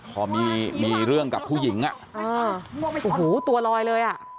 พอมีเรื่องกับผู้หญิงอ่ะโอ้โหตัวลอยเลยอ่ะ